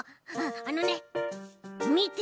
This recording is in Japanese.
ああのねみて！